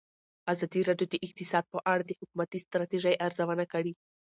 ازادي راډیو د اقتصاد په اړه د حکومتي ستراتیژۍ ارزونه کړې.